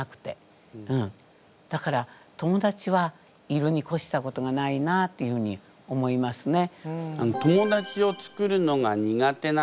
だから友だちはいるにこしたことがないなっていうふうに思いますね。